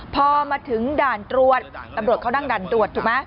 พอมาถึงด่านตรวจตำรวจเขานั่งด่านตรวจถูกไหม